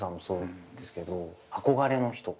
憧れの人。